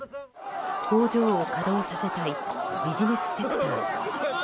工場を稼働させたいビジネスセクター。